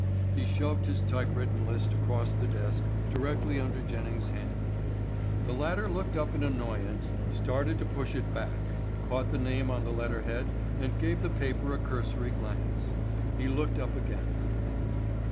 He shoved his typewritten list across the desk directly under Jennings' hand. The latter looked up in annoyance, started to push it back, caught the name on the letterhead and gave the paper a cursory glance. He looked up again.